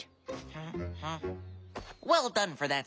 フン。